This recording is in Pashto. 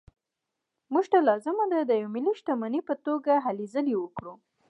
موږ ته لازمه ده د یوې ملي شتمنۍ په توګه هلې ځلې وکړو.